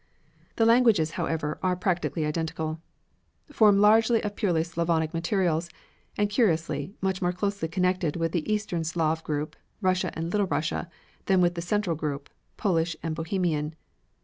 The languages, however, are practically identical, formed largely of pure Slavonic materials, and, curiously, much more closely connected with the eastern Slav group Russia and Little Russia than with the central group, Polish and Bohemian.